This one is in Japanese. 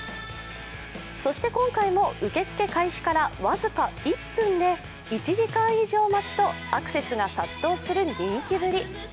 そして今回も受け付け開始から僅か１分で１時間以上待ちとアクセスが殺到する人気ぶり。